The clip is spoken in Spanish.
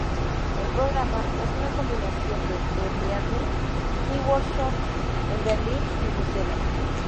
El programa es una combinación de e-learning y workshops en Berlín y Bruselas.